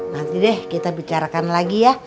nanti deh kita bicarakan lagi ya